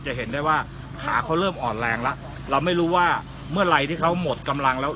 เห็นได้ว่าขาเขาเริ่มอ่อนแรงแล้วเราไม่รู้ว่าเมื่อไหร่ที่เขาหมดกำลังแล้ว